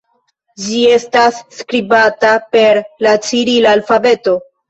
Ĝi estas skribata per la cirila alfabeto.